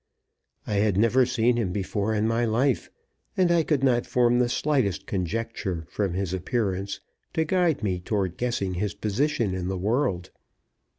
I had never seen him before in my life, and I could not form the slightest conjecture from his appearance to guide me toward guessing his position in the world.